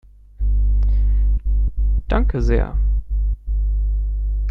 Danke sehr!